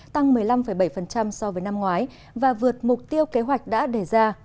tăng một mươi năm bảy so với năm ngoái và vượt mục tiêu kế hoạch đã đề ra